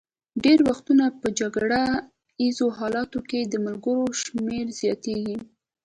ډېری وختونه په جګړه ایزو حالاتو کې د ملګرو شمېر زیاتېږي.